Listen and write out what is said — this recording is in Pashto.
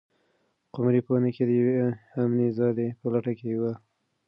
قمري په ونې کې د یوې امنې ځالۍ په لټه کې وه.